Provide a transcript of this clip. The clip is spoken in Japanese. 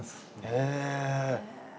へえ！